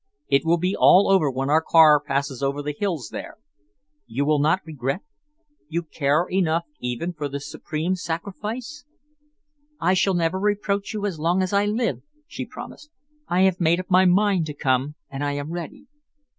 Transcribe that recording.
It will be all over when our car passes over the hills there. You will not regret? You care enough even for this supreme sacrifice?" "I shall never reproach you as long as I live," she promised. "I have made up my mind to come, and I am ready."